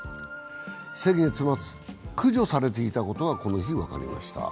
先月末、駆除されていたことがこの日、分かりました。